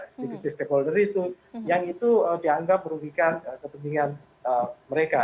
institusi stakeholder itu yang itu dianggap merugikan kepentingan mereka